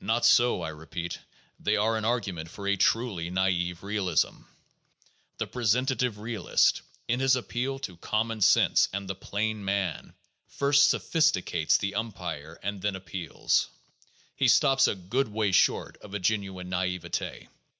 Not so, I repeat; they are an argument for a truly naive realism. The presentative realist, in his appeal to "common sense" and the "plain man," first sophisticates the umpire and then appeals. He stops a good way short of a genuine naivete.